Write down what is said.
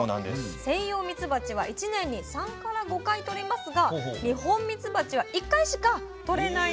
セイヨウミツバチは１年に３５回とれますがニホンミツバチは１回しかとれないんですね。